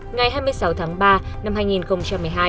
ngày hai mươi sáu tháng ba năm hai nghìn một mươi hai